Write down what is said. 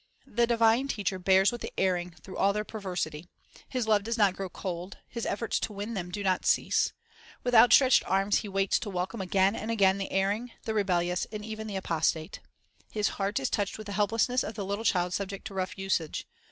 The divine Teacher bears with the erring through all their perversity. His love does not grow cold; His efforts to win them do not cease. With outstretched arms He waits to welcome again and again the erring, the rebellious, and even the apostate. His heart is touched with the helplessness of the little child subject to rough usage.